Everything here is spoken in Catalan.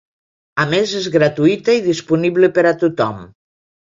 A més, és gratuïta i disponible per a tothom.